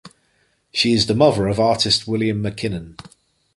She is the mother of artist William Mackinnon.